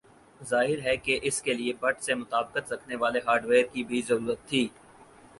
ظاہر ہے کہ اس کے لئے بٹ سے مطابقت رکھنے والے ہارڈویئر کی بھی ضرورت تھی